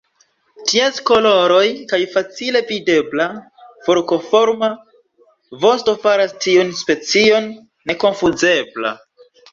Ties koloroj kaj facile videbla forkoforma vosto faras tiun specion nekonfuzebla.